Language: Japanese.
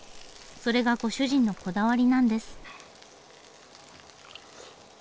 それがご主人のこだわりなんです。